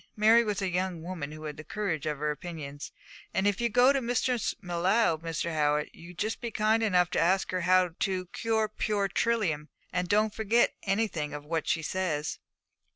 Mary was a young woman who had the courage of her opinions. 'And if you go to Mistress M'Leod, Mr. Howitt, will you just be kind enough to ask her how to cure poor Trilium? and don't forget anything of what she says.'